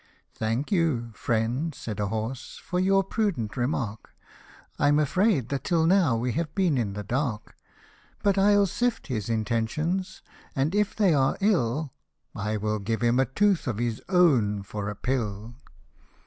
" Thank you, friend," said a horse, " for your pru dent remark, I'm afraid that till now we have been in the dark ; But I'll sift his intentions, and if they are ill, I will give him a tooth of his o?vn for a pill."